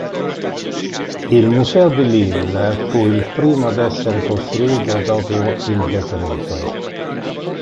Il museo di Lille fu il primo ad essere costruito dopo il decreto.